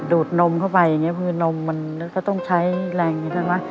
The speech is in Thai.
ดูดนมเข้าไปอย่างเงี้ยคือนมมันก็ต้องใช้แรงใช่ไหม